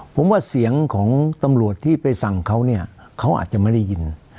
ผมว่าเสียงของตำรวจที่ไปสั่งเขาเนี่ยเขาอาจจะไม่ได้ยิน